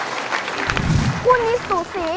คนนี้สูสี